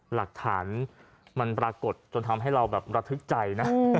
หลักฐานมันปรากฏจนทำให้เราแบบระทึกใจนะ